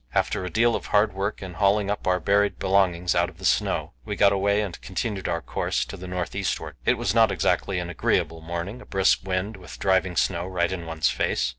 After a deal of hard work in hauling our buried belongings out of the snow, we got away and continued our course to the north eastward. It was not exactly an agreeable morning: a brisk wind with driving snow right in one's face.